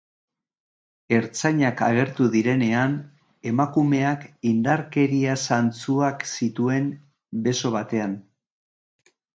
Ertzainak agertu direnean, emakumeak indarkeria zantzuak zituen beso batean.